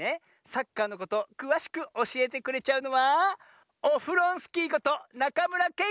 サッカーのことくわしくおしえてくれちゃうのはオフロンスキーことなかむらけんごさんよ。